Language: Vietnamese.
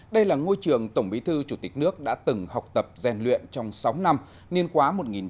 đây là ngôi trường tổng bí thư chủ tịch nước đã từng học tập gian luyện trong sáu năm niên quá một nghìn chín trăm năm mươi bảy một nghìn chín trăm sáu mươi ba